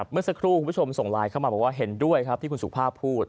เมื่อสักครู่คุณผู้ชมส่งไลน์เข้ามาบอกว่าเห็นด้วยครับที่คุณสุภาพพูด